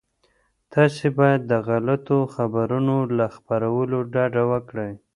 تاسي باید د غلطو خبرونو له خپرولو ډډه وکړئ.